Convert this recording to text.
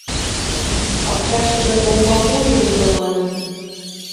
Пакчаштыже олмапужо уло манын.